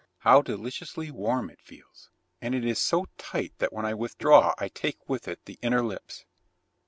"How deliciously warm it feels, and it is so tight that when I withdraw I take with it the inner lips.